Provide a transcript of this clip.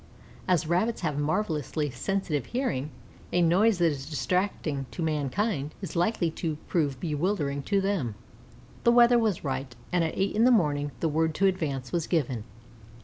As Rabbits have marvellously sensitive hearing, a noise that is distracting to mankind, is likely to prove bewildering to them. The weather was right, and at eight in the morning the word to advance was given.